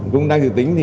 cũng đang dự tính